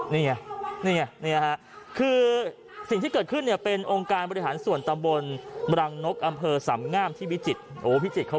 นี่ไงคือสิ่งที่เกิดขึ้นเนี่ยเป็น